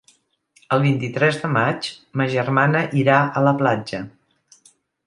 El vint-i-tres de maig ma germana irà a la platja.